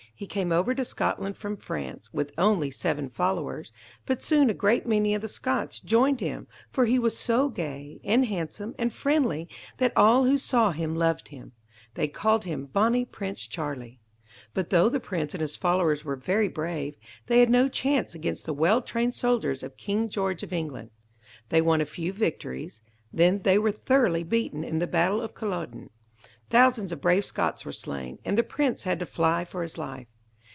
He came over to Scotland from France, with only seven followers; but soon a great many of the Scots joined him, for he was so gay, and handsome, and friendly, that all who saw him loved him. They called him "Bonnie Prince Charlie". But though the prince and his followers were very brave, they had no chance against the well trained soldiers of King George of England. They won a few victories; then they were thoroughly beaten in the battle of Culloden. Thousands of brave Scots were slain, and the prince had to fly for his life.